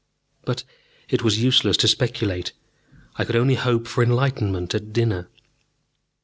But it was useless to speculate. I could only hope for enlightenment at dinner.